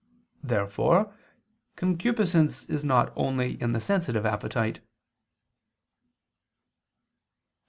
Therefore concupiscence is not only in the sensitive appetite. Obj.